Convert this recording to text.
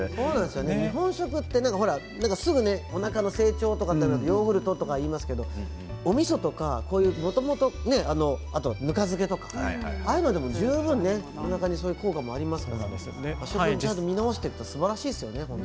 日本食ってすぐおなかの整腸とかというとヨーグルトといいますがおみそとか、もともとあとぬか漬けとかああいうのって十分おなかに効果がありますから見直していくとすばらしいですよね。